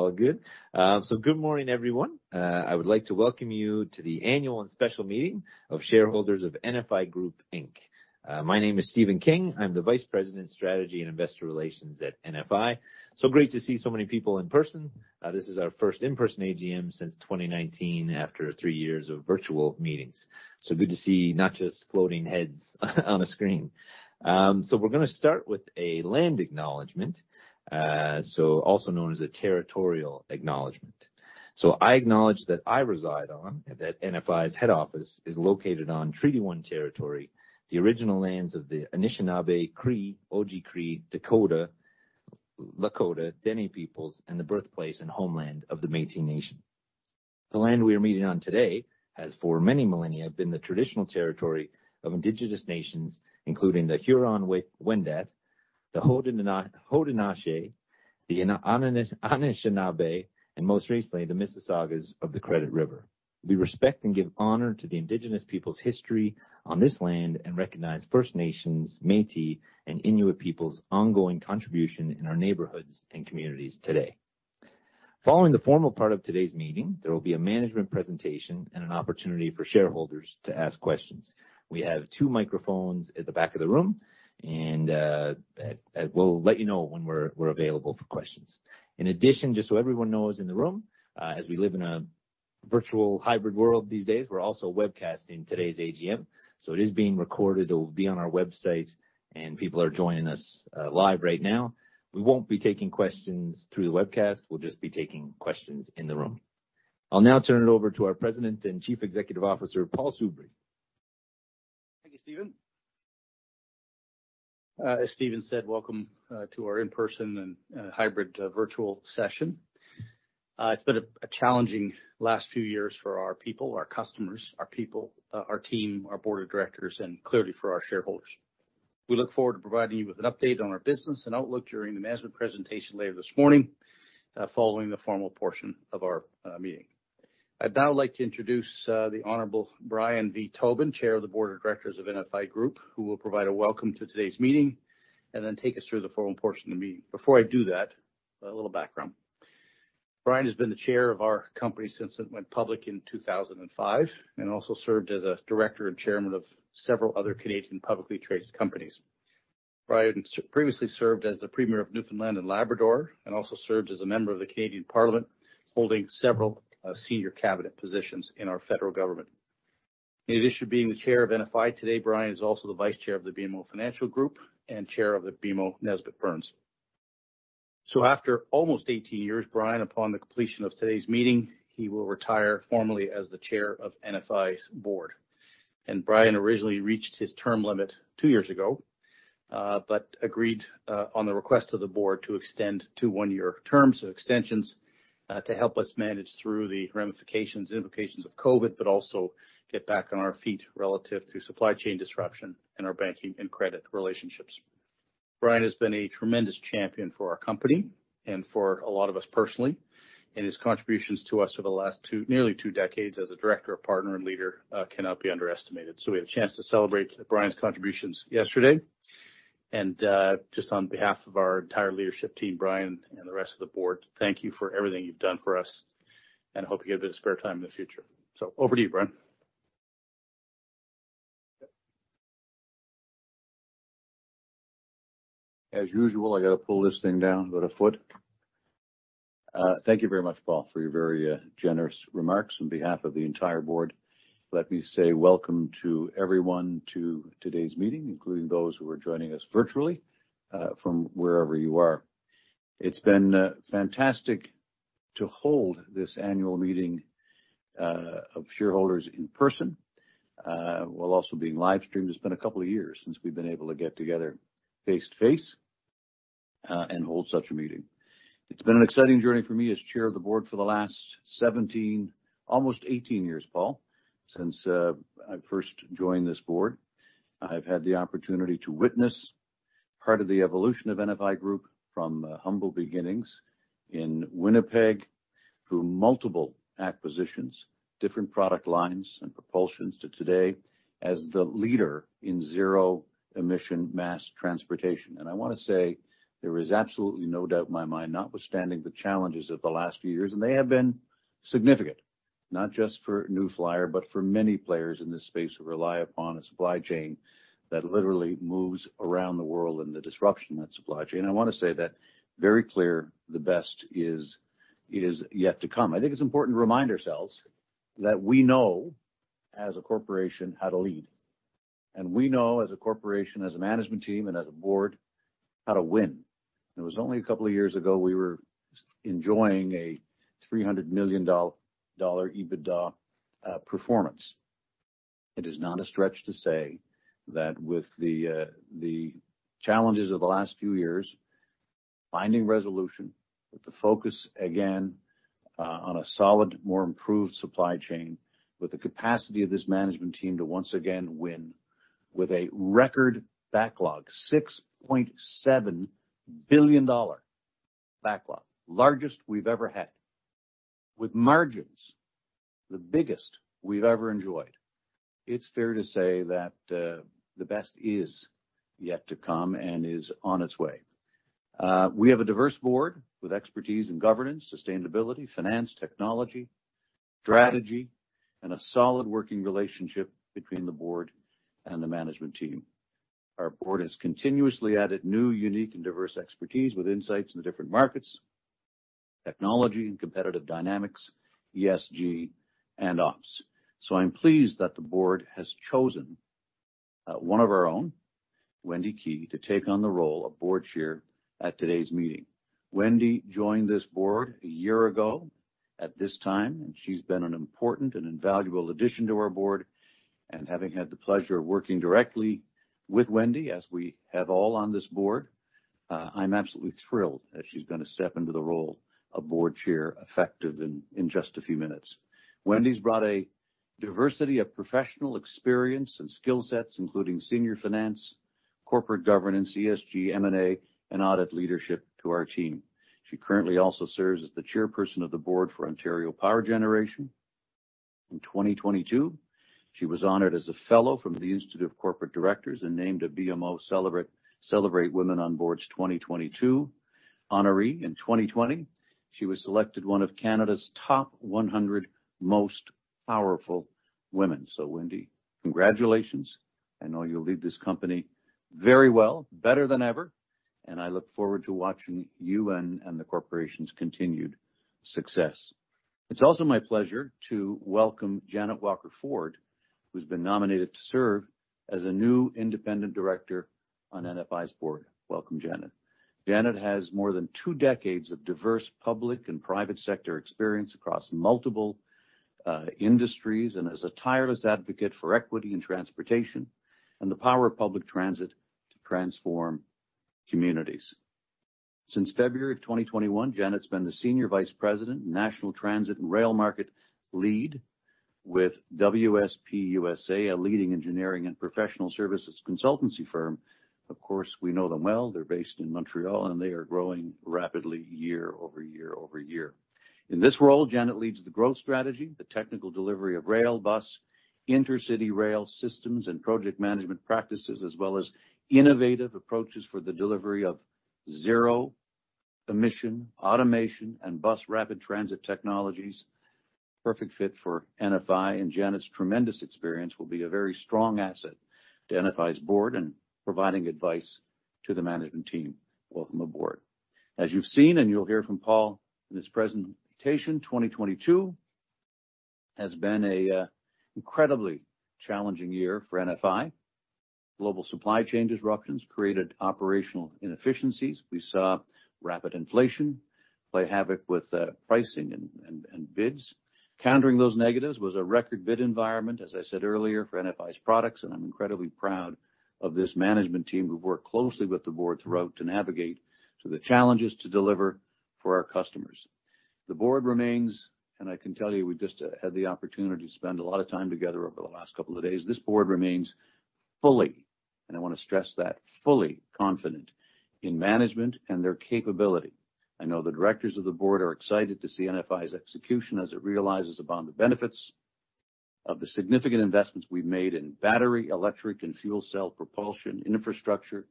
All good. Good morning, everyone. I would like to welcome you to the annual and special meeting of shareholders of NFI Group Inc. My name is Stephen King. I'm the Vice President, Strategy and Investor Relations at NFI. Great to see so many people in person. This is our first in-person AGM since 2019 after 3 years of virtual meetings. Good to see not just floating heads on a screen. We're going to start with a land acknowledgement, also known as a territorial acknowledgement. I acknowledge that I reside on, that NFI's head office is located on Treaty 1 territory, the original lands of the Anishinaabe Cree, Oji-Cree, Dakota, Lakota, Dene peoples, and the birthplace and homeland of the Métis nation. The land we are meeting on today has, for many millennia, been the traditional territory of indigenous nations, including the Huron-Wendat, the Haudenosaunee, the Anishinaabe, and most recently, the Mississaugas of the Credit River. We respect and give honor to the indigenous people's history on this land and recognize First Nations, Métis, and Inuit peoples ongoing contribution in our neighborhoods and communities today. Following the formal part of today's meeting, there will be a management presentation and an opportunity for shareholders to ask questions. We have two microphones at the back of the room, and we'll let you know when we're available for questions. In addition, just so everyone knows in the room, as we live in a virtual hybrid world these days, we're also webcasting today's AGM, so it is being recorded. It will be on our website, and people are joining us, live right now. We won't be taking questions through the webcast. We'll just be taking questions in the room. I'll now turn it over to our President and Chief Executive Officer, Paul Soubry. Thank you, Stephen. As Stephen said, welcome to our in-person and hybrid virtual session. It's been a challenging last few years for our people, our customers, our people, our team, our board of directors, and clearly for our shareholders. We look forward to providing you with an update on our business and outlook during the management presentation later this morning, following the formal portion of our meeting. I'd now like to introduce the Honorable Brian V. Tobin, Chair of the Board of Directors of NFI Group, who will provide a welcome to today's meeting and then take us through the formal portion of the meeting. Before I do that, a little background. Brian has been the Chair of our company since it went public in 2005 and also served as a director and chairman of several other Canadian publicly traded companies. Brian previously served as the Premier of Newfoundland and Labrador and also served as a member of the Canadian Parliament, holding several senior cabinet positions in our federal government. In addition to being the Chair of NFI today, Brian is also the Vice Chair of the BMO Financial Group and Chair of the BMO Nesbitt Burns. After almost 18 years, Brian, upon the completion of today's meeting, he will retire formally as the Chair of NFI's Board. Brian originally reached his term limit two years ago, but agreed on the request of the board to extend two one-year terms, so extensions to help us manage through the ramifications and implications of COVID, but also get back on our feet relative to supply chain disruption and our banking and credit relationships. Brian has been a tremendous champion for our company and for a lot of us personally, and his contributions to us over the last two, nearly two decades as a director, a partner, and leader, cannot be underestimated. We had a chance to celebrate Brian's contributions yesterday. Just on behalf of our entire leadership team, Brian and the rest of the board, thank you for everything you've done for us, and hope you get a bit of spare time in the future. Over to you, Brian. As usual, I gotta pull this thing down about a foot. Thank you very much, Paul Soubry, for your very generous remarks. On behalf of the entire Board, let me say welcome to everyone to today's meeting, including those who are joining us virtually, from wherever you are. It's been fantastic to hold this annual meeting of shareholders in person, while also being live streamed. It's been a couple of years since we've been able to get together face-to-face, and hold such a meeting. It's been an exciting journey for me as Chair of the Board for the last 17, almost 18 years, Paul Soubry, since I first joined this Board. I've had the opportunity to witness part of the evolution of NFI Group from humble beginnings in Winnipeg, through multiple acquisitions, different product lines and propulsions, to today as the leader in zero-emission mass transportation. I wanna say there is absolutely no doubt in my mind, notwithstanding the challenges of the last few years, and they have been significant, not just for New Flyer, but for many players in this space who rely upon a supply chain that literally moves around the world and the disruption of that supply chain. I wanna say that very clear, the best is yet to come. I think it's important to remind ourselves that we know, as a corporation, how to lead. We know, as a corporation, as a management team, and as a board, how to win. It was only a couple of years ago, we were enjoying a $300 million EBITDA performance. It is not a stretch to say that with the challenges of the last few years, finding resolution with the focus, again, on a solid, more improved supply chain, with the capacity of this management team to once again win with a record backlog, $6.7 billion backlog, largest we've ever had. With margins, the biggest we've ever enjoyed, it's fair to say that the best is yet to come and is on its way. We have a diverse board with expertise in governance, sustainability, finance, technology, strategy, and a solid working relationship between the board and the management team. Our board has continuously added new, unique and diverse expertise with insights in the different markets, technology and competitive dynamics, ESG and ops. I'm pleased that the board has chosen, one of our own, Wendy Kei, to take on the role of Board Chair at today's meeting. Wendy Kei joined this board a year ago at this time, and she's been an important and invaluable addition to our board. Having had the pleasure of working directly with Wendy Kei as we have all on this board, I'm absolutely thrilled that she's going to step into the role of Board Chair effective in just a few minutes. Wendy's brought a diversity of professional experience and skill sets, including senior finance, corporate governance, ESG, M&A, and audit leadership to our team. She currently also serves as the Chairperson of the Board for Ontario Power Generation. In 2022, she was honored as a fellow from the Institute of Corporate Directors and named a BMO Celebrating Women on Boards 2022 honoree. In 2020, she was selected one of Canada's top 100 most powerful women. Wendy, congratulations. I know you'll lead this company very well, better than ever, and I look forward to watching you and the corporation's continued success. It's also my pleasure to welcome Jannet Walker-Ford, who's been nominated to serve as a new Independent Director on NFI's Board. Welcome, Jannet. Jannet has more than two decades of diverse public and private sector experience across multiple industries, and is a tireless advocate for equity in transportation and the power of public transit to transform communities. Since February of 2021, Jannet's been the Senior Vice President, National Transit and Rail Market Lead with WSP USA, a leading engineering and professional services consultancy firm. Of course, we know them well. They're based in Montreal, and they are growing rapidly year-over-year-over-year. In this role, Janet leads the growth strategy, the technical delivery of rail, bus, intercity rail systems and project management practices, as well as innovative approaches for the delivery of zero-emission automation and Bus Rapid Transit technologies. Perfect fit for NFI, Janet's tremendous experience will be a very strong asset to NFI's board and providing advice to the management team. Welcome aboard. As you've seen, you'll hear from Paul in his presentation, 2022 has been a incredibly challenging year for NFI. Global supply chain disruptions created operational inefficiencies. We saw rapid inflation play havoc with pricing and bids. Countering those negatives was a record bid environment, as I said earlier, for NFI's products, I'm incredibly proud of this management team who worked closely with the board throughout to navigate to the challenges to deliver for our customers. The board remains, I can tell you, we just had the opportunity to spend a lot of time together over the last couple of days. This board remains fully, and I want to stress that, fully confident in management and their capability. I know the directors of the board are excited to see NFI's execution as it realizes upon the benefits of the significant investments we've made in battery, electric and fuel cell propulsion infrastructure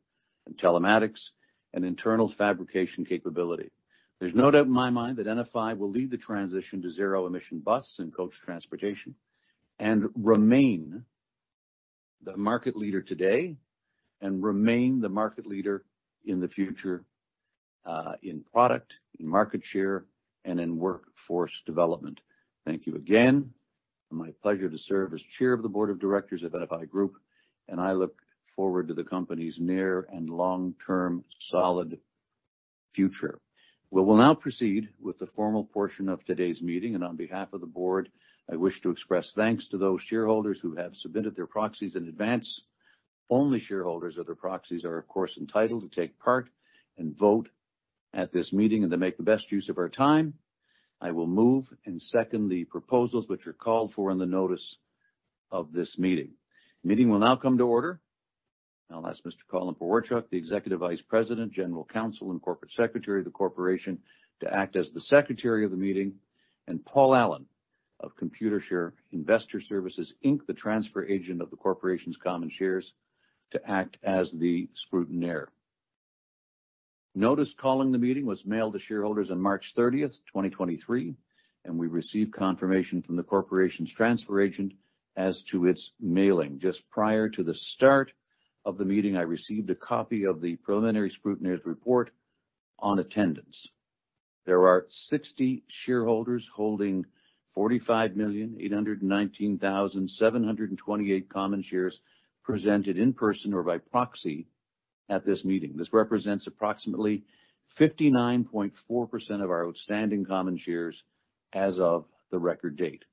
and telematics and internal fabrication capability. There's no doubt in my mind that NFI will lead the transition to zero-emission bus and coach transportation and remain the market leader today, and remain the market leader in the future, in product, in market share, and in workforce development. Thank you again. My pleasure to serve as chair of the board of directors at NFI Group, I look forward to the company's near and long-term solid future. We will now proceed with the formal portion of today's meeting, on behalf of the Board, I wish to express thanks to those shareholders who have submitted their proxies in advance. Only shareholders or their proxies are, of course, entitled to take part and vote at this meeting. To make the best use of our time, I will move and second the proposals which are called for in the notice of this meeting. The meeting will now come to order. I'll ask Mr. Colin Pewarchuk, the Executive Vice President, General Counsel, and Corporate Secretary of the corporation, to act as the secretary of the meeting, and Paul Allen of Computershare Investor Services, Inc., the transfer agent of the corporation's common shares, to act as the scrutineer. Notice calling the meeting was mailed to shareholders on March 30, 2023, and we received confirmation from the corporation's transfer agent as to its mailing. Just prior to the start of the meeting, I received a copy of the preliminary scrutineer's report on attendance. There are 60 shareholders holding 45,819,728 common shares presented in person or by proxy at this meeting. This represents approximately 59.4% of our outstanding common shares as of the record date.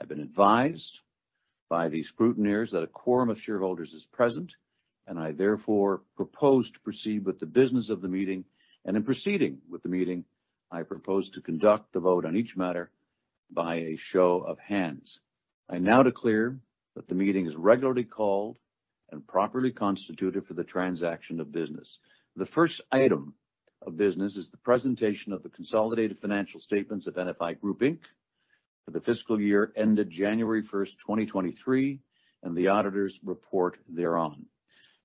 I've been advised by the scrutineers that a quorum of shareholders is present, and I therefore propose to proceed with the business of the meeting. In proceeding with the meeting, I propose to conduct the vote on each matter by a show of hands. I now declare that the meeting is regularly called and properly constituted for the transaction of business. The 1st item of business is the presentation of the consolidated financial statements of NFI Group Inc. for the fiscal year ended January 1, 2023, and the auditor's report thereon.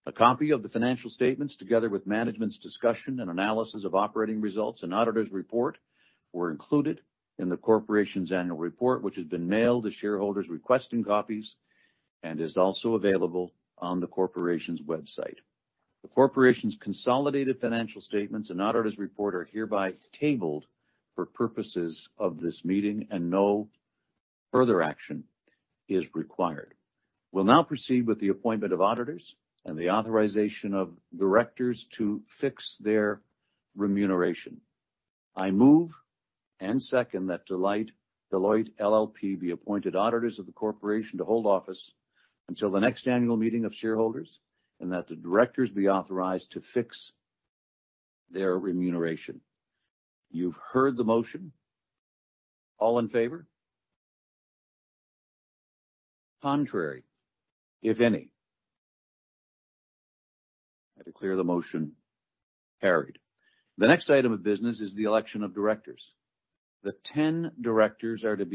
A copy of the financial statements, together with management's discussion and analysis of operating results and auditor's report, were included in the corporation's annual report, which has been mailed to shareholders requesting copies and is also available on the corporation's website. The corporation's consolidated financial statements and auditor's report are hereby tabled for purposes of this meeting, and no further action is required. We'll now proceed with the appointment of auditors and the authorization of directors to fix their remuneration. I move and second that Deloitte LLP be appointed auditors of the corporation to hold office until the next annual meeting of shareholders, and that the directors be authorized to fix their remuneration. You've heard the motion. All in favor? Contrary, if any? I declare the motion carried. The next item of business is the election of directors. The 10 directors are to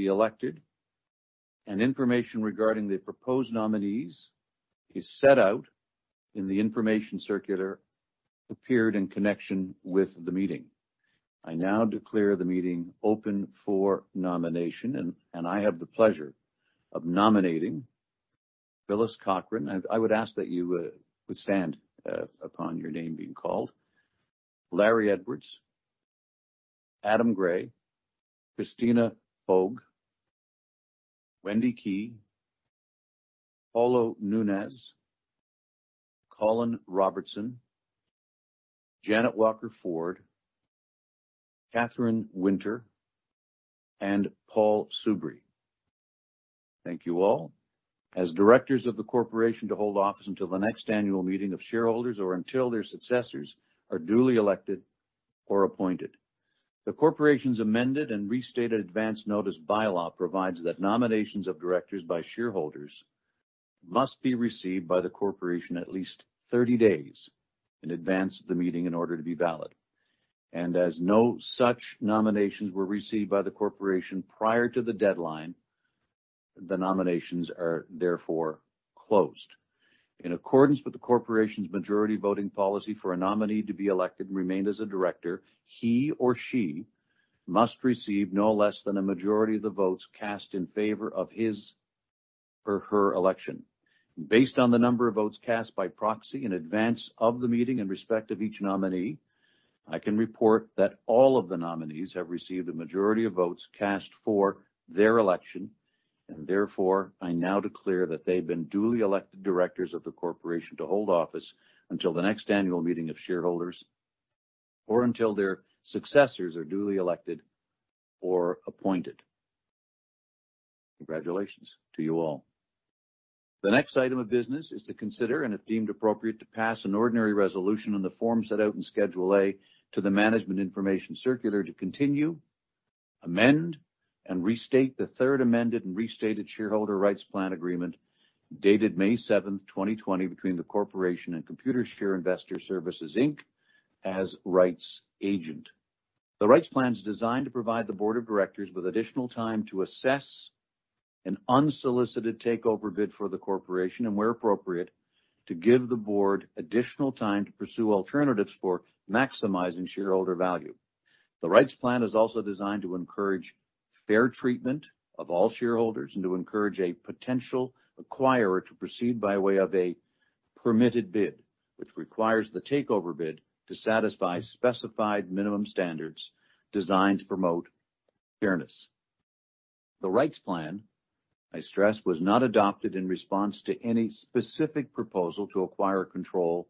be elected, and information regarding the proposed nominees is set out in the information circular appeared in connection with the meeting. I now declare the meeting open for nomination, and I have the pleasure of nominating Phyllis Cochran. I would ask that you would stand upon your name being called. Larry Edwards, Adam Gray, Krystyna Hoeg, Wendy Kei, Paulo Nunes, Colin Robertson, Jannet Walker-Ford, Katherine Winter, and Paul Soubry. Thank you all. As directors of the corporation to hold office until the next annual meeting of shareholders or until their successors are duly elected or appointed. The corporation's amended and restated advance notice by-law provides that nominations of directors by shareholders must be received by the corporation at least 30 days in advance of the meeting in order to be valid. As no such nominations were received by the corporation prior to the deadline, the nominations are therefore closed. In accordance with the corporation's majority voting policy for a nominee to be elected and remain as a director, he or she must receive no less than a majority of the votes cast in favor of his or her election. Based on the number of votes cast by proxy in advance of the meeting in respect of each nominee, I can report that all of the nominees have received a majority of votes cast for their election. Therefore, I now declare that they've been duly elected directors of the corporation to hold office until the next annual meeting of shareholders or until their successors are duly elected or appointed. Congratulations to you all. The next item of business is to consider and if deemed appropriate to pass an ordinary resolution in the form set out in Schedule A to the management information circular to continue, amend and restate the Third Amended and Restated Shareholder Rights Plan Agreement dated May 7, 2020 between the Corporation and Computershare Investor Services Inc. as rights agent. The rights plan is designed to provide the board of directors with additional time to assess an unsolicited takeover bid for the corporation and where appropriate, to give the board additional time to pursue alternatives for maximizing shareholder value. The rights plan is also designed to encourage fair treatment of all shareholders and to encourage a potential acquirer to proceed by way of a permitted bid, which requires the takeover bid to satisfy specified minimum standards designed to promote fairness. The rights plan, I stress, was not adopted in response to any specific proposal to acquire control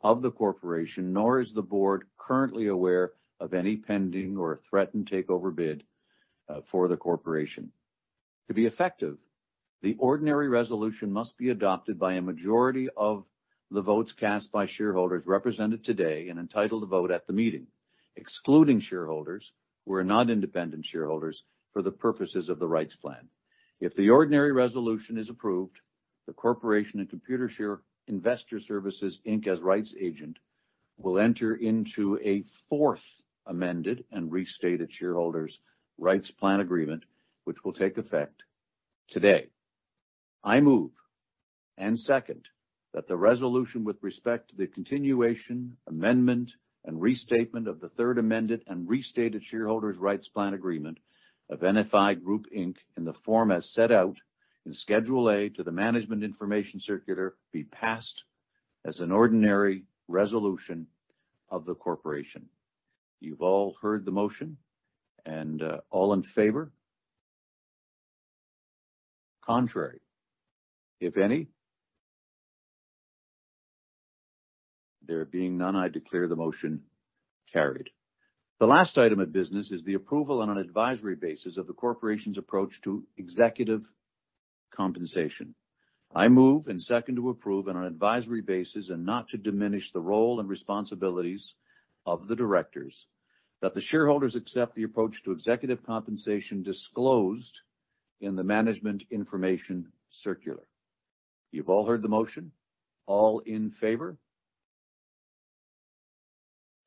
of the corporation, nor is the board currently aware of any pending or threatened takeover bid for the corporation. To be effective, the ordinary resolution must be adopted by a majority of the votes cast by shareholders represented today and entitled to vote at the meeting, excluding shareholders who are not independent shareholders for the purposes of the rights plan. If the ordinary resolution is approved, the Corporation and Computershare Investor Services Inc. as rights agent will enter into a Fourth Amended and Restated Shareholder Rights Plan Agreement, which will take effect today. I move and second that the resolution with respect to the continuation, amendment and restatement of the Third Amended and Restated Shareholder Rights Plan Agreement of NFI Group Inc in the form as set out in Schedule A to the management information circular be passed as an ordinary resolution of the corporation. You've all heard the motion. All in favor? Contrary, if any? There being none, I declare the motion carried. The last item of business is the approval on an advisory basis of the corporation's approach to executive compensation. I move and second to approve on an advisory basis and not to diminish the role and responsibilities of the directors, that the shareholders accept the approach to executive compensation disclosed in the management information circular. You've all heard the motion. All in favor?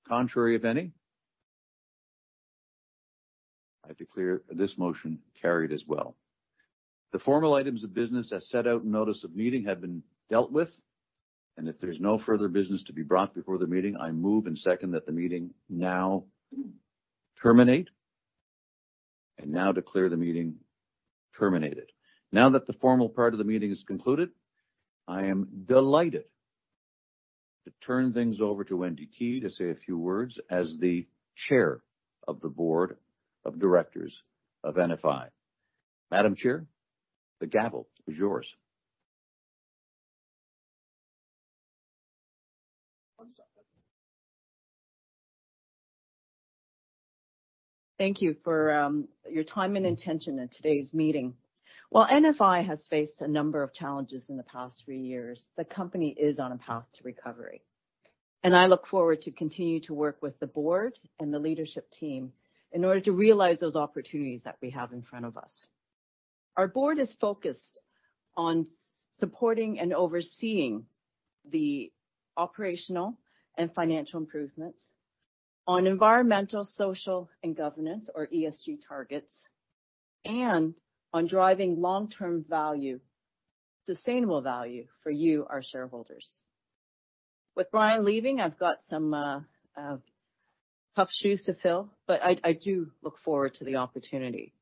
Contrary, if any? I declare this motion carried as well. The formal items of business as set out in notice of meeting have been dealt with, and if there's no further business to be brought before the meeting, I move and second that the meeting now terminate. Now declare the meeting terminated. Now that the formal part of the meeting is concluded, I am delighted to turn things over to Wendy Kei to say a few words as the Chair of the Board of Directors of NFI. Madam Chair, the gavel is yours. Thank you for your time and intention in today's meeting. While NFI has faced a number of challenges in the past three years, the company is on a path to recovery, I look forward to continue to work with the board and the leadership team in order to realize those opportunities that we have in front of us. Our board is focused on supporting and overseeing the operational and financial improvements on environmental, social, and governance, or ESG targets, on driving long-term value, sustainable value for you, our shareholders. With Brian leaving, I've got some tough shoes to fill, I do look forward to the opportunity.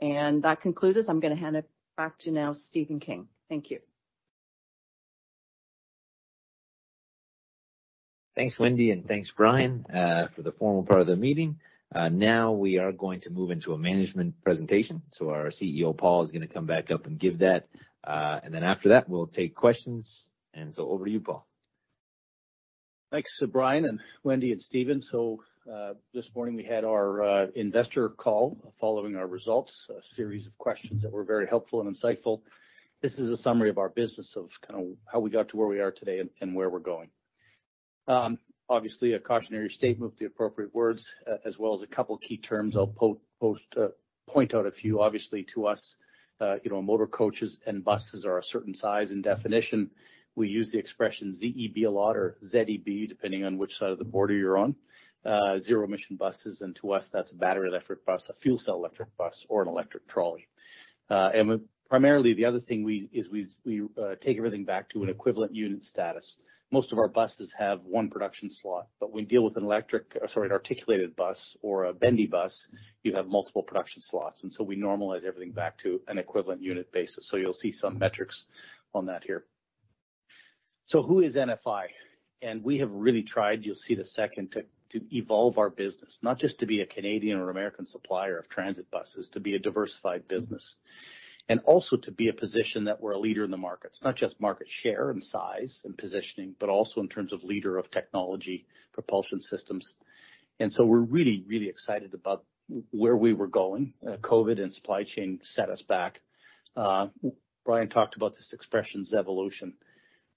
That concludes this. I'm gonna hand it back to now Stephen King. Thank you. Thanks, Wendy, and thanks, Brian, for the formal part of the meeting. Now we are going to move into a management presentation. Our CEO, Paul, is gonna come back up and give that. After that, we'll take questions. Over to you, Paul. Thanks to Brian and Wendy and Stephen. This morning we had our investor call following our results, a series of questions that were very helpful and insightful. This is a summary of our business of kind of how we got to where we are today and where we're going. Obviously a cautionary statement with the appropriate words, as well as a couple key terms. I'll point out a few, obviously, to us, you know, motor coaches and buses are a certain size and definition. We use the expression ZEB a lot or Z-E-B, depending on which side of the border you're on, zero-emission buses, and to us, that's a battery electric bus, a fuel cell electric bus, or an electric trolley. Primarily the other thing we take everything back to an equivalent unit status. Most of our buses have 1 production slot, but when we deal with an electric, sorry, an articulated bus or a bendy bus, you have multiple production slots, and so we normalize everything back to an equivalent unit basis. You'll see some metrics on that here. Who is NFI? We have really tried, you'll see in a second, to evolve our business, not just to be a Canadian or American supplier of transit buses, to be a diversified business. Also to be a position that we're a leader in the markets, not just market share and size and positioning, but also in terms of leader of technology propulsion systems. We're really excited about where we were going. COVID and supply chain set us back. Brian talked about this expression, Zevolution.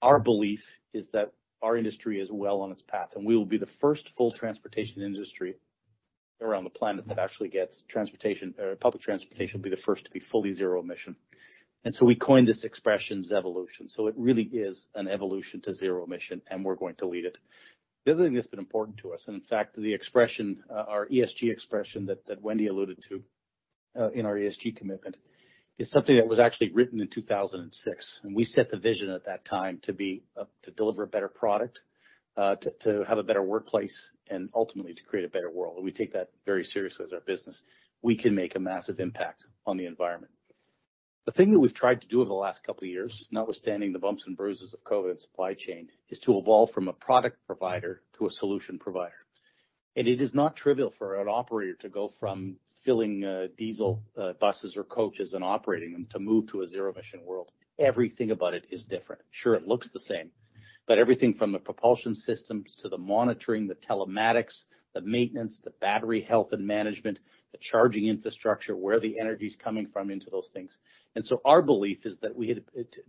Our belief is that our industry is well on its path, we will be the first full transportation industry around the planet that actually gets transportation or public transportation will be the first to be fully zero emission. We coined this expression, Zevolution. It really is an evolution to zero emission, and we're going to lead it. The other thing that's been important to us, in fact, the expression, our ESG expression that Wendy alluded to, in our ESG commitment, is something that was actually written in 2006. We set the vision at that time to deliver a better product, to have a better workplace, and ultimately to create a better world. We take that very seriously with our business. We can make a massive impact on the environment. The thing that we've tried to do over the last couple of years, notwithstanding the bumps and bruises of COVID and supply chain, is to evolve from a product provider to a solution provider. It is not trivial for an operator to go from filling diesel buses or coaches and operating them to move to a zero-emission world. Everything about it is different. Sure, it looks the same, but everything from the propulsion systems to the monitoring, the telematics, the maintenance, the battery health and management, the charging infrastructure, where the energy is coming from into those things. Our belief is that we had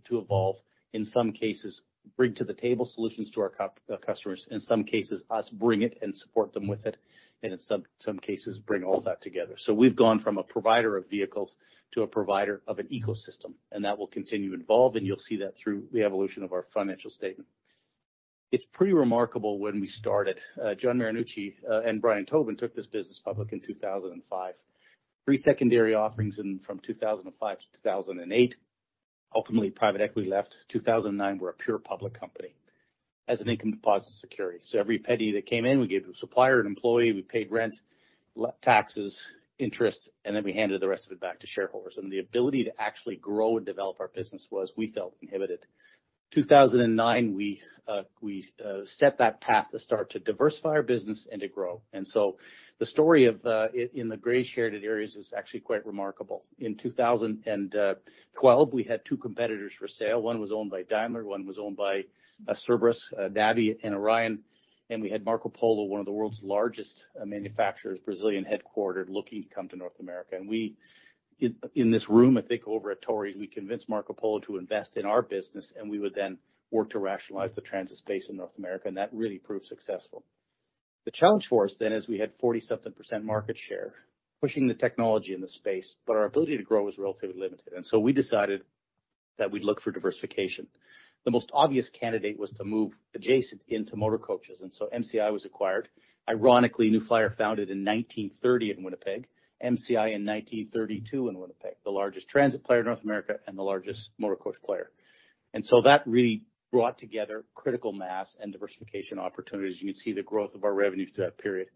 to evolve, in some cases, bring to the table solutions to our customers, in some cases us bring it and support them with it, and in some cases, bring all that together. We've gone from a provider of vehicles to a provider of an ecosystem, and that will continue to evolve, and you'll see that through the evolution of our financial statement. It's pretty remarkable when we started. John Marinucci and Brian Tobin took this business public in 2005. three secondary offerings in from 2005 to 2008. Ultimately, private equity left. 2009, we're a pure public company as an income deposit security. Every penny that came in, we gave to a supplier, an employee, we paid rent, taxes, interest, and then we handed the rest of it back to shareholders. The ability to actually grow and develop our business was, we felt, inhibited. 2009, we set that path to start to diversify our business and to grow. The story of in the gray shaded areas is actually quite remarkable. In 2012, we had 2 competitors for sale. One was owned by Daimler, one was owned by Cerberus, Davi, and Orion. We had Marcopolo, one of the world's largest manufacturers, Brazilian headquartered, looking to come to North America. We, in this room, I think over at Torys, we convinced Marcopolo to invest in our business, and we would then work to rationalize the transit space in North America. That really proved successful. The challenge for us then is we had 47% market share pushing the technology in the space, but our ability to grow was relatively limited. So we decided that we'd look for diversification. The most obvious candidate was to move adjacent into motor coaches. So MCI was acquired. Ironically, New Flyer founded in 1930 in Winnipeg, MCI in 1932 in Winnipeg, the largest transit player in North America and the largest motor coach player. So that really brought together critical mass and diversification opportunities. You can see the growth of our revenues through that period.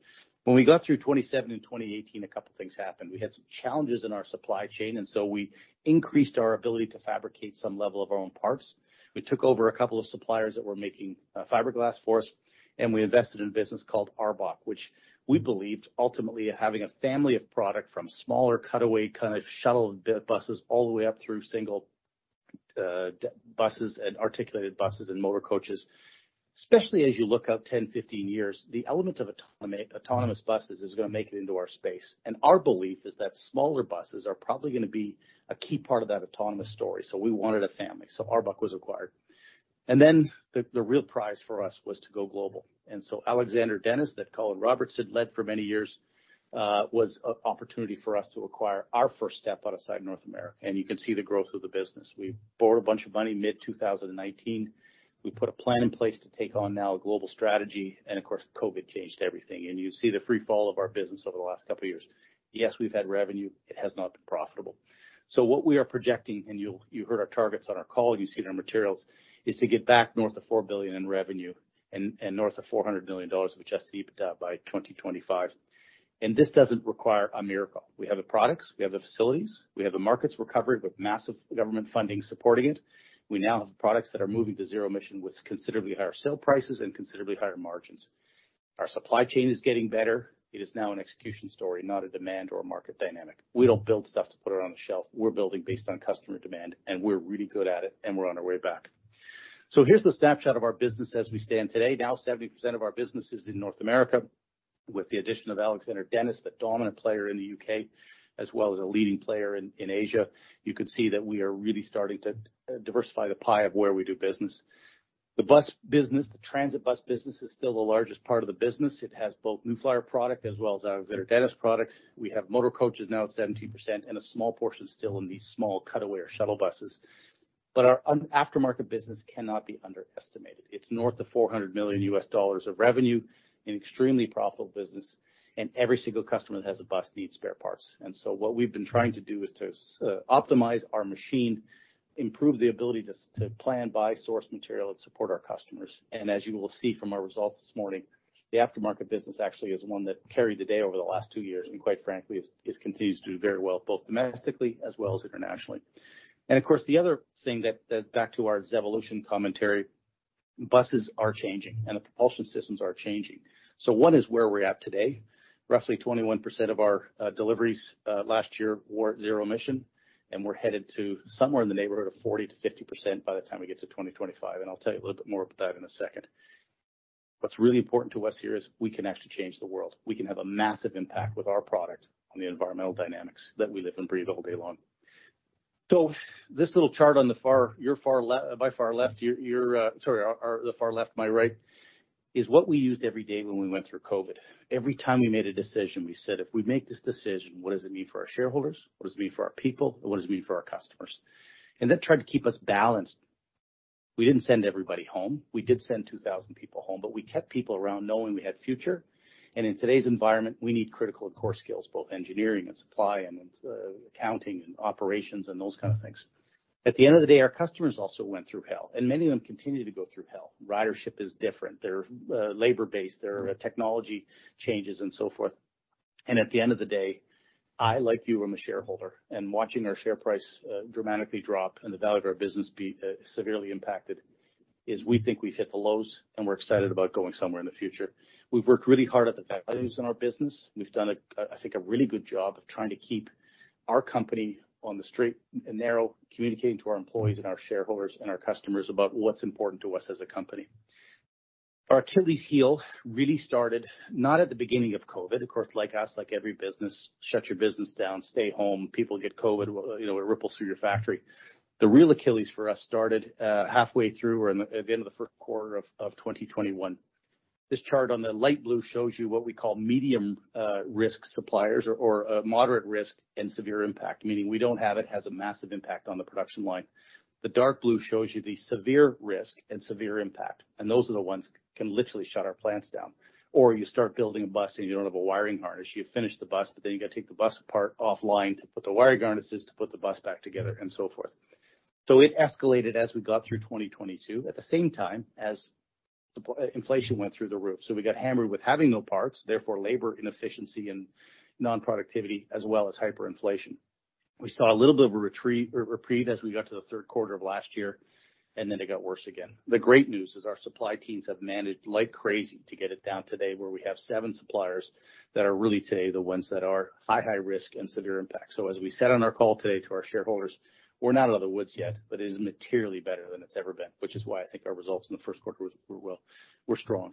When we got through 2017 and 2018, a couple of things happened. We had some challenges in our supply chain, we increased our ability to fabricate some level of our own parts. We took over a couple of suppliers that were making fiberglass for us, we invested in a business called Arboc, which we believed ultimately having a family of product from smaller cutaway kind of shuttle buses all the way up through single buses and articulated buses and motor coaches. Especially as you look out 10, 15 years, the element of auto-autonomous buses is going to make it into our space. Our belief is that smaller buses are probably going to be a key part of that autonomous story. We wanted a family, Arboc was acquired. The real prize for us was to go global. Alexander Dennis, that Colin Robertson led for many years, was an opportunity for us to acquire our first step outside North America. You can see the growth of the business. We borrowed a bunch of money mid-2019. We put a plan in place to take on now a global strategy, and of course, COVID changed everything. You see the free fall of our business over the last couple of years. Yes, we've had revenue. It has not been profitable. What we are projecting, and you heard our targets on our call, you see it in our materials, is to get back north of $4 billion in revenue and north of $400 million of adjusted EBITDA by 2025. This doesn't require a miracle. We have the products, we have the facilities, we have the markets recovery with massive government funding supporting it. We now have products that are moving to zero emission with considerably higher sale prices and considerably higher margins. Our supply chain is getting better. It is now an execution story, not a demand or a market dynamic. We don't build stuff to put it on the shelf. We're building based on customer demand, and we're really good at it, and we're on our way back. Here's the snapshot of our business as we stand today. 70% of our business is in North America. With the addition of Alexander Dennis, the dominant player in the U.K., as well as a leading player in Asia, you can see that we are really starting to diversify the pie of where we do business. The bus business, the transit bus business is still the largest part of the business. It has both New Flyer product as well as Alexander Dennis product. We have motor coaches now at 17% and a small portion still in these small cutaway or shuttle buses. Our aftermarket business cannot be underestimated. It's north of $400 million of revenue, an extremely profitable business, and every single customer that has a bus needs spare parts. What we've been trying to do is to optimize our machine, improve the ability to plan, buy, source material, and support our customers. As you will see from our results this morning, the aftermarket business actually is one that carried the day over the last two years, and quite frankly, it's, it continues to do very well, both domestically as well as internationally. Of course, the other thing that back to our Zevolution commentary, buses are changing, and the propulsion systems are changing. One is where we're at today. Roughly 21% of our deliveries last year were zero emission, and we're headed to somewhere in the neighborhood of 40-50% by the time it gets to 2025. I'll tell you a little bit more about that in a second. What's really important to us here is we can actually change the world. We can have a massive impact with our product on the environmental dynamics that we live and breathe all day long. This little chart by far left, your, sorry, our, the far left, my right, is what we used every day when we went through COVID. Every time we made a decision, we said, "If we make this decision, what does it mean for our shareholders? What does it mean for our people? What does it mean for our customers?" That tried to keep us balanced. We didn't send everybody home. We did send 2,000 people home, but we kept people around knowing we had future. In today's environment, we need critical and core skills, both engineering and supply and accounting and operations and those kind of things. At the end of the day, our customers also went through hell, and many of them continue to go through hell. Ridership is different. They're labor-based. There are technology changes and so forth. At the end of the day, I, like you, I'm a shareholder, watching our share price dramatically drop and the value of our business be severely impacted is we think we've hit the lows. We're excited about going somewhere in the future. We've worked really hard at the values in our business. We've done a, I think, a really good job of trying to keep our company on the straight and narrow, communicating to our employees and our shareholders and our customers about what's important to us as a company. Our Achilles heel really started not at the beginning of COVID. Of course, like us, like every business, shut your business down, stay home, people get COVID, well, you know, it ripples through your factory. The real Achilles for us started halfway through or in the, at the end of the first quarter of 2021. This chart on the light blue shows you what we call medium risk suppliers or a moderate risk and severe impact, meaning we don't have it, has a massive impact on the production line. The dark blue shows you the severe risk and severe impact, and those are the ones can literally shut our plants down. You start building a bus and you don't have a wiring harness. You finish the bus, but then you got to take the bus apart offline to put the wire harnesses to put the bus back together and so forth. It escalated as we got through 2022, at the same time as the inflation went through the roof. We got hammered with having no parts, therefore, labor inefficiency and non-productivity, as well as hyperinflation. We saw a little bit of a retreat or reprieve as we got to the third quarter of last year, and then it got worse again. The great news is our supply teams have managed like crazy to get it down today, where we have 7 suppliers that are really today the ones that are high risk and severe impact. As we said on our call today to our shareholders, we're not out of the woods yet, but it is materially better than it's ever been, which is why I think our results in the first quarter were well, were strong.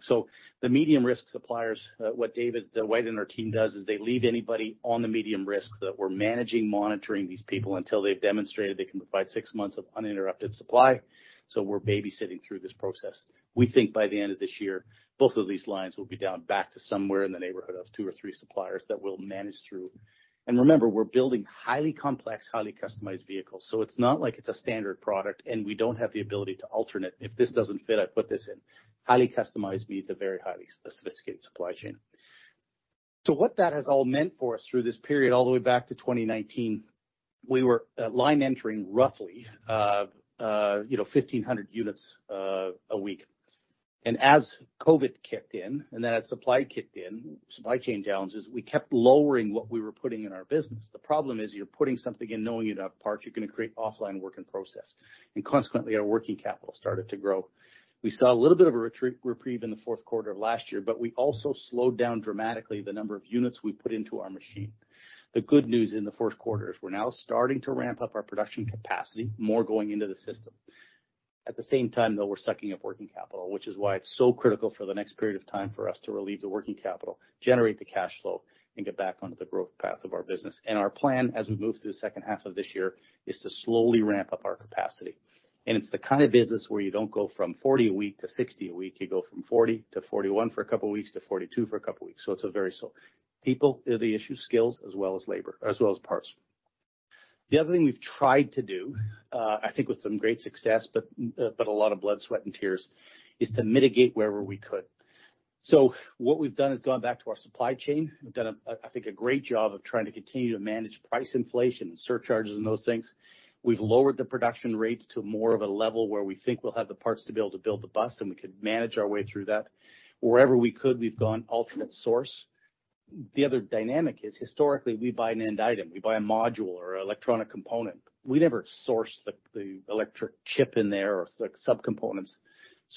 The medium risk suppliers, what David White and our team does is they leave anybody on the medium risk that we're managing, monitoring these people until they've demonstrated they can provide six months of uninterrupted supply. We're babysitting through this process. We think by the end of this year, both of these lines will be down back to somewhere in the neighborhood of two or three suppliers that we'll manage through. Remember, we're building highly complex, highly customized vehicles. It's not like it's a standard product, and we don't have the ability to alternate. If this doesn't fit, I put this in. Highly customized means a very highly sophisticated supply chain. What that has all meant for us through this period, all the way back to 2019, we were line entering roughly, you know, 1,500 units a week. As COVID kicked in, and then as supply kicked in, supply chain challenges, we kept lowering what we were putting in our business. The problem is you're putting something in knowing you don't have parts, you're gonna create offline work in process. Consequently, our working capital started to grow. We saw a little bit of a reprieve in the fourth quarter of last year, but we also slowed down dramatically the number of units we put into our machine. The good news in the first quarter is we're now starting to ramp up our production capacity, more going into the system. At the same time, though, we're sucking up working capital, which is why it's so critical for the next period of time for us to relieve the working capital, generate the cash flow, and get back onto the growth path of our business. Our plan as we move through the second half of this year is to slowly ramp up our capacity. It's the kind of business where you don't go from 40 a week to 60 a week. You go from 40 to 41 for a couple weeks to 42 for a couple weeks. It's a very slow. People are the issue, skills as well as labor, as well as parts. The other thing we've tried to do, I think with some great success, but a lot of blood, sweat and tears, is to mitigate wherever we could. What we've done is gone back to our supply chain. We've done a, I think, a great job of trying to continue to manage price inflation and surcharges and those things. We've lowered the production rates to more of a level where we think we'll have the parts to be able to build the bus, and we could manage our way through that. Wherever we could, we've gone alternate source. The other dynamic is, historically, we buy an end item. We buy a module or electronic component. We never source the electric chip in there or subcomponents.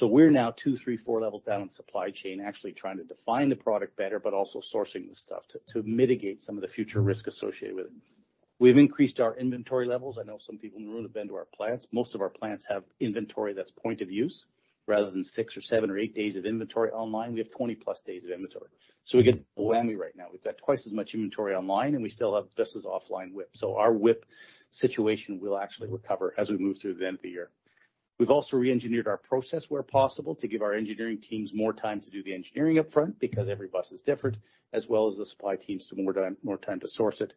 We're now 2, 3, 4 levels down in supply chain, actually trying to define the product better, but also sourcing the stuff to mitigate some of the future risk associated with it. We've increased our inventory levels. I know some people in the room have been to our plants. Most of our plants have inventory that's point of use rather than 6 or 7 or 8 days of inventory online. We have 20-plus days of inventory. We get the whammy right now. We've got twice as much inventory online, and we still have just as offline WIP. Our WIP situation will actually recover as we move through the end of the year. We've also reengineered our process where possible to give our engineering teams more time to do the engineering upfront because every bus is different, as well as the supply teams to more time to source it.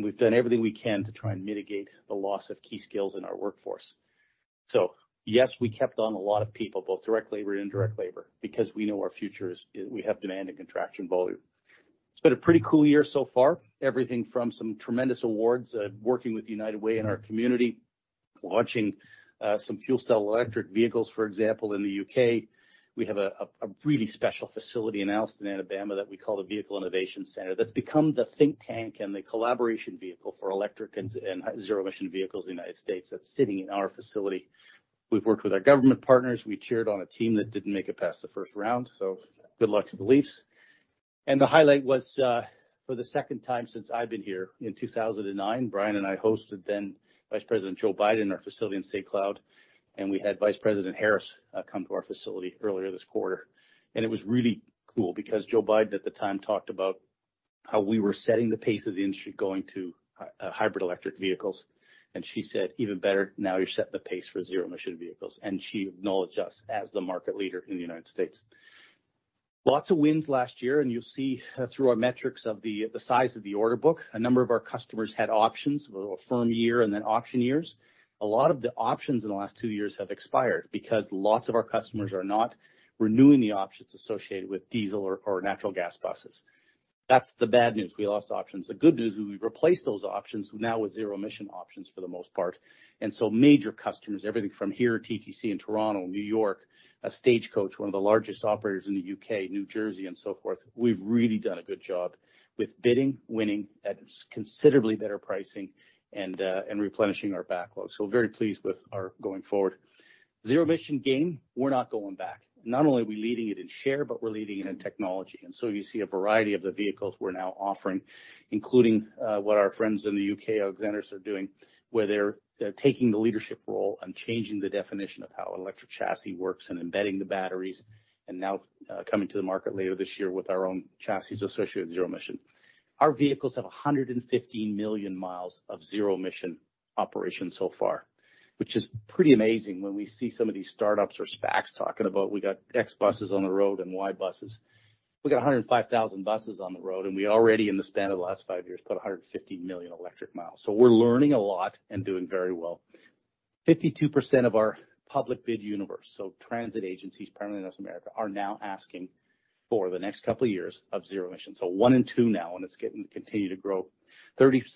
We've done everything we can to try and mitigate the loss of key skills in our workforce. Yes, we kept on a lot of people, both direct labor and indirect labor, because we know our future is, we have demand and contraction volume. It's been a pretty cool year so far. Everything from some tremendous awards, working with United Way in our community, launching some fuel cell electric vehicles, for example, in the U.K. We have a really special facility in Anniston, Alabama, that we call the Vehicle Innovation Center that's become the think tank and the collaboration vehicle for electric and zero-emission vehicles in the U.S. that's sitting in our facility. We've worked with our government partners. We cheered on a team that didn't make it past the first round. Good luck to the Leafs. The highlight was for the second time since I've been here in 2009, Brian and I hosted then Vice President Joe Biden in our facility in St. Cloud, and we had Vice President Harris come to our facility earlier this quarter. It was really cool because Joe Biden at the time talked about how we were setting the pace of the industry going to hybrid electric vehicles. She said, "Even better, now you're setting the pace for zero-emission vehicles." She acknowledged us as the market leader in the United States. Lots of wins last year, you'll see through our metrics of the size of the order book, a number of our customers had options, a firm year and then option years. A lot of the options in the last two years have expired because lots of our customers are not renewing the options associated with diesel or natural gas buses. That's the bad news. We lost options. The good news, we've replaced those options now with zero-emission options for the most part. Major customers, everything from here, TTC in Toronto, New York, Stagecoach, one of the largest operators in the U.K., New Jersey and so forth, we've really done a good job with bidding, winning at considerably better pricing and replenishing our backlog. Very pleased with our going forward. Zero-emission game, we're not going back. Not only are we leading it in share, but we're leading it in technology. You see a variety of the vehicles we're now offering, including what our friends in the U.K., Alexander's, are doing, where they're taking the leadership role and changing the definition of how an electric chassis works and embedding the batteries, and now coming to the market later this year with our own chassis associated with zero-emission. Our vehicles have 150 million miles of zero-emission operation so far, which is pretty amazing when we see some of these startups or SPACs talking about we got X buses on the road and Y buses. We've got 105,000 buses on the road, we already in the span of the last five years, put 150 million electric miles. We're learning a lot and doing very well. 52% of our public bid universe, so transit agencies primarily in North America, are now asking for the next couple of years of zero emission. 1 in 2 now, and it's getting to continue to grow. 36%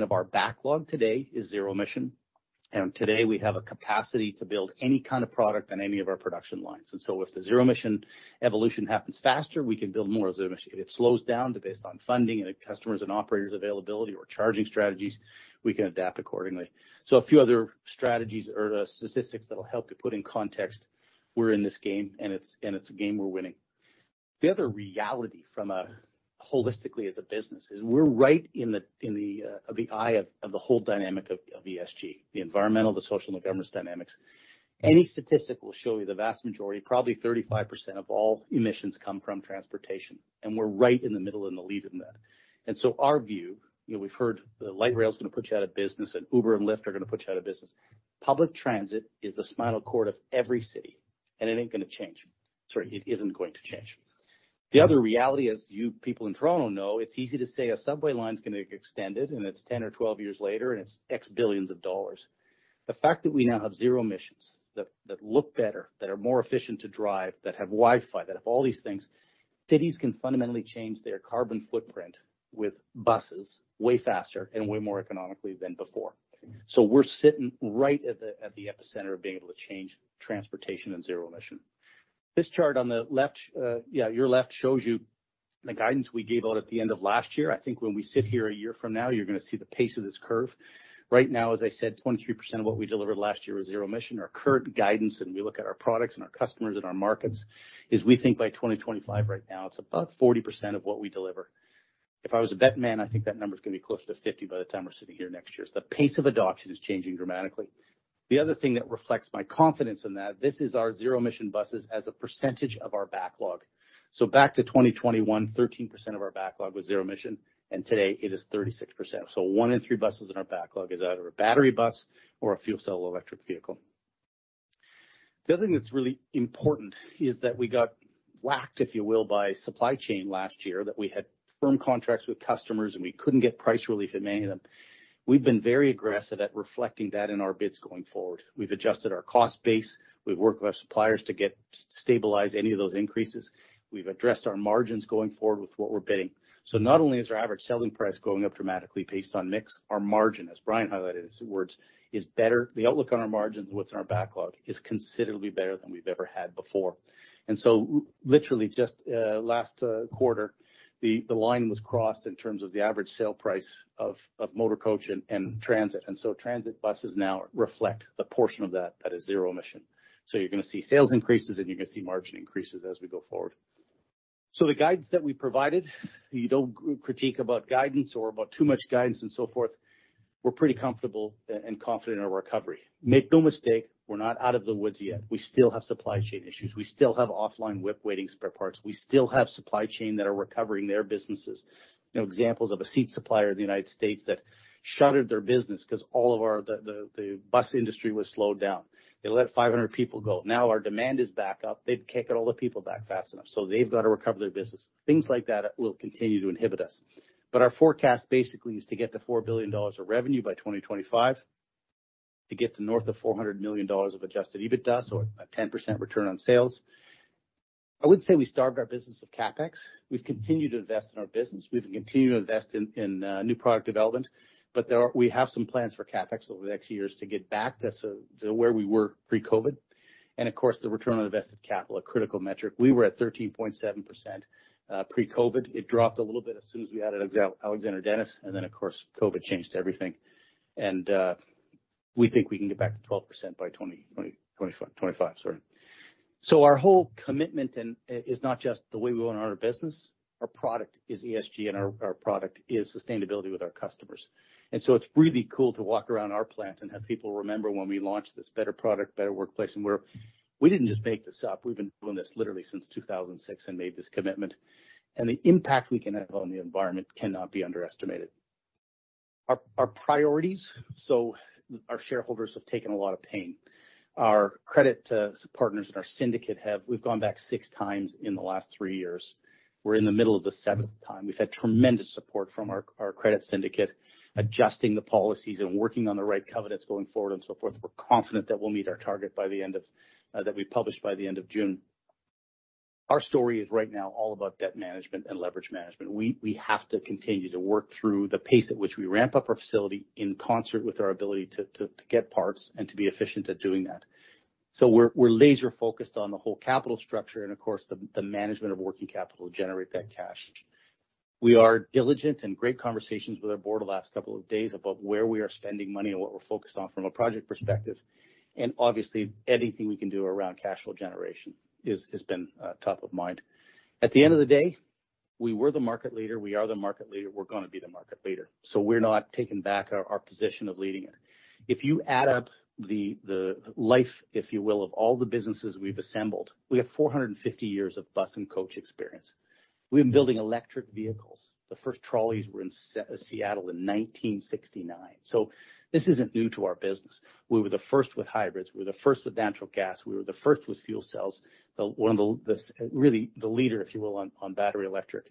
of our backlog today is zero emission. Today we have a capacity to build any kind of product on any of our production lines. If the zero-emission evolution happens faster, we can build more zero-emission. If it slows down based on funding and customers and operators availability or charging strategies, we can adapt accordingly. A few other strategies or statistics that'll help you put in context, we're in this game and it's a game we're winning. The other reality from a holistically as a business is we're right in the eye of the whole dynamic of ESG, the environmental, the social and the governance dynamics. Any statistic will show you the vast majority, probably 35% of all emissions come from transportation, and we're right in the middle and the lead in that. Our view, you know, we've heard the light rail's gonna put you out of business and Uber and Lyft are gonna put you out of business. Public transit is the spinal cord of every city, it ain't gonna change. Sorry, it isn't going to change. The other reality, as you people in Toronto know, it's easy to say a subway line's gonna get extended and it's 10 or 12 years later and it's $X billions of dollars. The fact that we now have zero emissions that look better, that are more efficient to drive, that have Wi-Fi, that have all these things. Cities can fundamentally change their carbon footprint with buses way faster and way more economically than before. We're sitting right at the epicenter of being able to change transportation and zero emission. This chart on the left, yeah, your left shows you the guidance we gave out at the end of last year. I think when we sit here a year from now, you're gonna see the pace of this curve. Right now, as I said, 23% of what we delivered last year was zero emission. Our current guidance, and we look at our products and our customers and our markets, is we think by 2025, right now, it's about 40% of what we deliver. If I was a betting man, I think that number is gonna be closer to 50 by the time we're sitting here next year. The pace of adoption is changing dramatically. The other thing that reflects my confidence in that, this is our zero emission buses as a percentage of our backlog. Back to 2021, 13% of our backlog was zero emission, and today it is 36%. One in three buses in our backlog is either a battery bus or a fuel cell electric vehicle. The other thing that's really important is that we got whacked, if you will, by supply chain last year, that we had firm contracts with customers, and we couldn't get price relief in many of them. We've been very aggressive at reflecting that in our bids going forward. We've adjusted our cost base. We've worked with our suppliers to stabilize any of those increases. We've addressed our margins going forward with what we're bidding. Not only is our average selling price going up dramatically based on mix, our margin, as Brian highlighted his words, is better. The outlook on our margins, what's in our backlog is considerably better than we've ever had before. Literally just last quarter, the line was crossed in terms of the average sale price of motor coach and transit. Transit buses now reflect the portion of that that is zero emission. You're gonna see sales increases, and you're gonna see margin increases as we go forward. The guidance that we provided, you don't critique about guidance or about too much guidance and so forth. We're pretty comfortable and confident in our recovery. Make no mistake, we're not out of the woods yet. We still have supply chain issues. We still have offline WIP waiting spare parts. We still have supply chain that are recovering their businesses. You know, examples of a seat supplier in the United States that shuttered their business 'cause the bus industry was slowed down. They let 500 people go. Now our demand is back up. They can't get all the people back fast enough, so they've got to recover their business. Our forecast basically is to get to $4 billion of revenue by 2025, to get to north of $400 million of adjusted EBITDA, so a 10% return on sales. I would say we starved our business of CapEx. We've continued to invest in our business. We've continued to invest in new product development. We have some plans for CapEx over the next years to get back to where we were pre-COVID. Of course, the return on invested capital, a critical metric. We were at 13.7% pre-COVID. It dropped a little bit as soon as we added Alexander Dennis, and then, of course, COVID changed everything. We think we can get back to 12% by 2025, sorry. Our whole commitment and is not just the way we run our business. Our product is ESG, and our product is sustainability with our customers. It's really cool to walk around our plant and have people remember when we launched this better product, better workplace, and we didn't just make this up. We've been doing this literally since 2006 and made this commitment. The impact we can have on the environment cannot be underestimated. Our priorities, so our shareholders have taken a lot of pain. Our credit partners and our syndicate have. We've gone back six times in the last three years. We're in the middle of the seventh time. We've had tremendous support from our credit syndicate, adjusting the policies and working on the right covenants going forward and so forth. We're confident that we'll meet our target by the end of that we published by the end of June. Our story is right now all about debt management and leverage management. We have to continue to work through the pace at which we ramp up our facility in concert with our ability to get parts and to be efficient at doing that. We're laser-focused on the whole capital structure and of course, the management of working capital to generate that cash. We are diligent and great conversations with our board the last couple of days about where we are spending money and what we're focused on from a project perspective. Obviously, anything we can do around cash flow generation is been top of mind. At the end of the day, we were the market leader. We are the market leader. We're gonna be the market leader. We're not taking back our position of leading it. If you add up the life, if you will, of all the businesses we've assembled, we have 450 years of bus and coach experience. We've been building electric vehicles. The first trolleys were in Seattle in 1969. This isn't new to our business. We were the first with hybrids. We were the first with natural gas. We were the first with fuel cells. The one of the really the leader, if you will, on battery electric.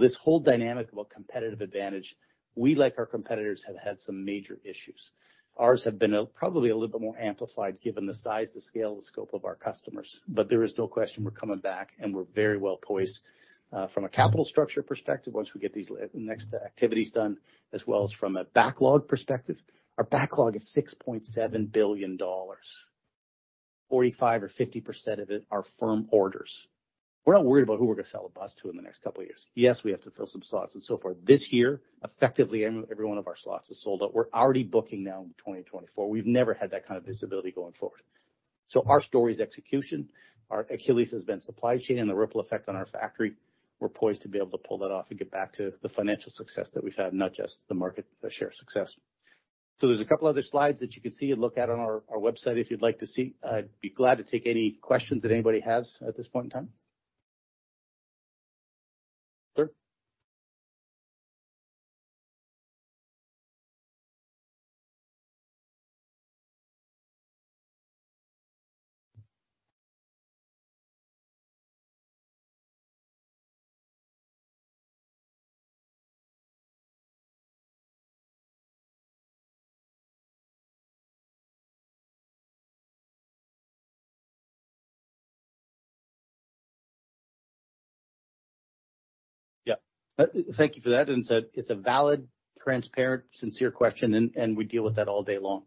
This whole dynamic about competitive advantage, we, like our competitors, have had some major issues. Ours have been probably a little bit more amplified given the size, the scale, the scope of our customers. There is no question we're coming back, and we're very well poised from a capital structure perspective, once we get these next activities done, as well as from a backlog perspective. Our backlog is $6.7 billion. 45% or 50% of it are firm orders. We're not worried about who we're gonna sell a bus to in the next couple of years. Yes, we have to fill some slots and so forth. This year, effectively, every one of our slots is sold out. We're already booking now in 2024. We've never had that kind of visibility going forward. Our story is execution. Our Achilles has been supply chain and the ripple effect on our factory. We're poised to be able to pull that off and get back to the financial success that we've had, not just the market, the share success. There's a couple other slides that you can see and look at on our website if you'd like to see. I'd be glad to take any questions that anybody has at this point in time. Yeah. Thank you for that. It's a, it's a valid, transparent, sincere question, and we deal with that all day long.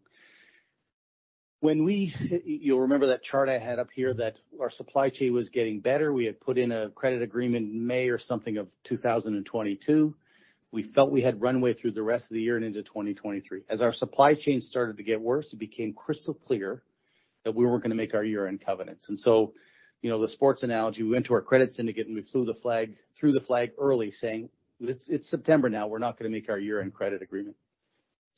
You'll remember that chart I had up here that our supply chain was getting better. We had put in a credit agreement in May or something of 2022. We felt we had runway through the rest of the year and into 2023. As our supply chain started to get worse, it became crystal clear that we weren't gonna make our year-end covenants. You know, the sports analogy, we went to our credit syndicate, threw the flag early saying, "It's, it's September now, we're not gonna make our year-end credit agreement."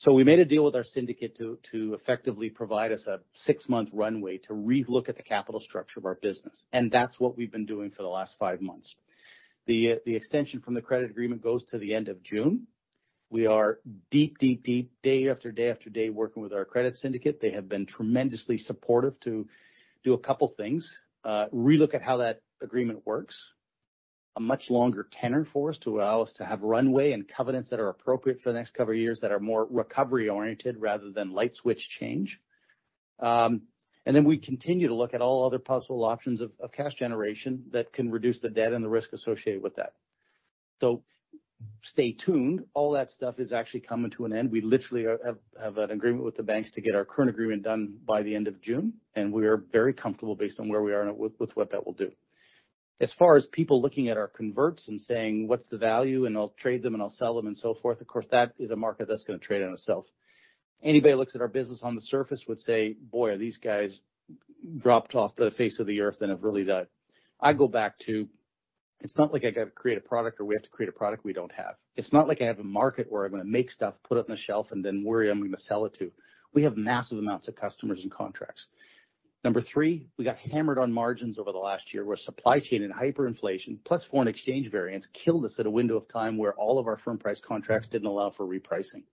We made a deal with our syndicate to effectively provide us a six-month runway to relook at the capital structure of our business, and that's what we've been doing for the last five months. The extension from the credit agreement goes to the end of June. We are deep, deep, deep, day after day after day, working with our credit syndicate. They have been tremendously supportive to do a couple things. Relook at how that agreement works. A much longer tenor for us to allow us to have runway and covenants that are appropriate for the next couple of years that are more recovery-oriented rather than light switch change. We continue to look at all other possible options of cash generation that can reduce the debt and the risk associated with that. Stay tuned. All that stuff is actually coming to an end. We literally have an agreement with the banks to get our current agreement done by the end of June, and we are very comfortable based on where we are and with what that will do. As far as people looking at our converts and saying, "What's the value, and I'll trade them and I'll sell them," and so forth, of course, that is a market that's gonna trade on itself. Anybody who looks at our business on the surface would say, "Boy, these guys dropped off the face of the earth and have really died." I go back to, it's not like I gotta create a product or we have to create a product we don't have. It's not like I have a market where I'm gonna make stuff, put it on the shelf, and then worry who I'm gonna sell it to. We have massive amounts of customers and contracts. We got hammered on margins over the last year where supply chain and hyperinflation, plus foreign exchange variances, killed us at a window of time where all of our firm price contracts didn't allow for repricing.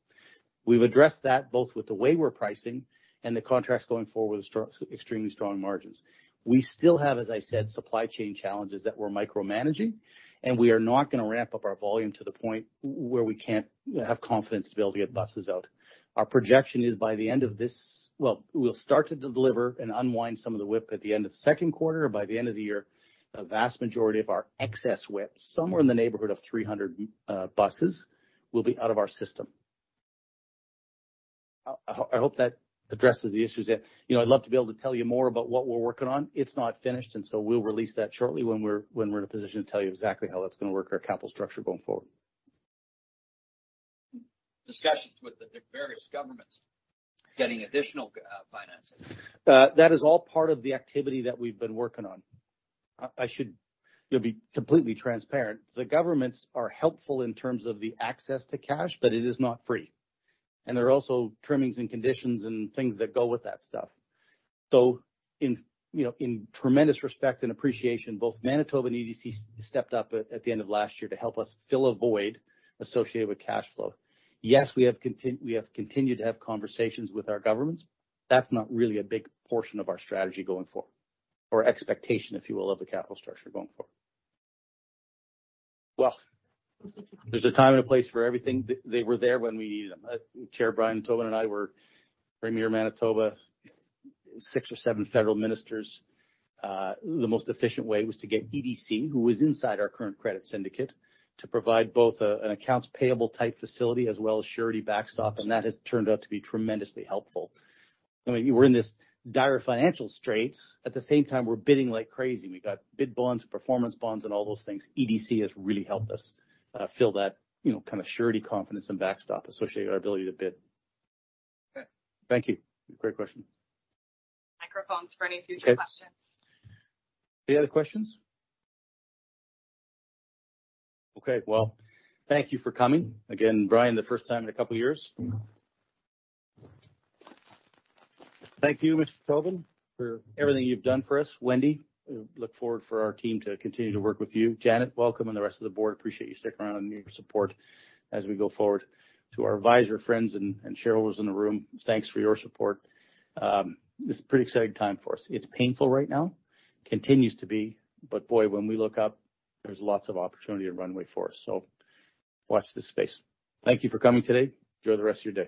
We've addressed that both with the way we're pricing and the contracts going forward with extremely strong margins. We still have, as I said, supply chain challenges that we're micromanaging. We are not gonna ramp up our volume to the point where we can't have confidence to be able to get buses out. Our projection is by the end of this. Well, we'll start to deliver and unwind some of the WIP at the end of the second quarter or by the end of the year. The vast majority of our excess WIP, somewhere in the neighborhood of 300 buses, will be out of our system. I hope that addresses the issues that. You know, I'd love to be able to tell you more about what we're working on. It's not finished. We'll release that shortly when we're, when we're in a position to tell you exactly how that's gonna work our capital structure going forward. Discussions with the various governments getting additional financing. That is all part of the activity that we've been working on. To be completely transparent, the governments are helpful in terms of the access to cash, but it is not free. There are also trimmings and conditions and things that go with that stuff. In, you know, in tremendous respect and appreciation, both Manitoba and EDC stepped up at the end of last year to help us fill a void associated with cash flow. Yes, we have continued to have conversations with our governments. That's not really a big portion of our strategy going forward or expectation, if you will, of the capital structure going forward. Well, there's a time and place for everything. They were there when we needed them. Chair Brian Tobin and I were Premier of Manitoba, six or seven federal ministers. The most efficient way was to get EDC, who was inside our current credit syndicate, to provide both an accounts payable type facility as well as surety backstop, and that has turned out to be tremendously helpful. I mean, we're in this dire financial straits. At the same time, we're bidding like crazy. We got bid bonds, performance bonds, and all those things. EDC has really helped us fill that, you know, kind of surety confidence and backstop associated with our ability to bid. Okay. Thank you. Great question. Microphones for any future questions. Any other questions? Okay. Well, thank you for coming. Again, Brian, the first time in a couple of years. Thank you, Mr. Tobin, for everything you've done for us. Wendy, look forward for our team to continue to work with you. Jannet, welcome, and the rest of the board, appreciate you sticking around and your support as we go forward. To our advisor friends, and Cheryl, who's in the room, thanks for your support. It's a pretty exciting time for us. It's painful right now, continues to be, but boy, when we look up, there's lots of opportunity and runway for us. Watch this space. Thank you for coming today. Enjoy the rest of your day.